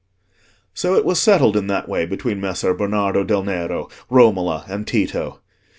So it was settled in that way between Messer Bernardo del Nero, Romola, and Tito.